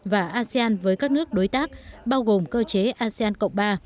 và asean với các nước đối tác bao gồm cơ chế asean cộng ba